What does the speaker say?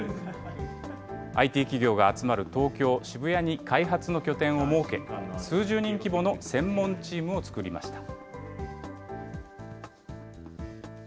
ＩＴ企業が集まる東京・渋谷に開発の拠点を設け、数十人規模の専門チームを作りました。